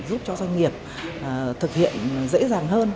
giúp cho doanh nghiệp thực hiện dễ dàng hơn